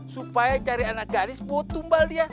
supaya cari anak gadis buat tumbal dia